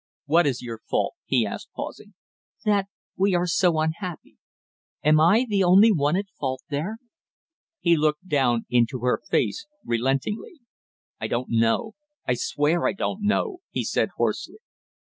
"What is your fault?" he asked, pausing. "That we are so unhappy; am I the only one at fault there?" He looked down into her face relentingly. "I don't know I swear I don't know!" he said hoarsely.